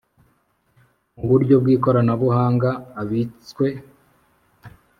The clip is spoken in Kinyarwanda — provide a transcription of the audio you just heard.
mu buryo bw ikoranabuhanga abitswe